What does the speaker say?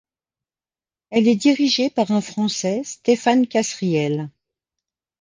Elle est dirigée par un Français, Stéphane Kasriel.